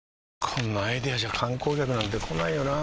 こんなアイデアじゃ観光客なんて来ないよなあ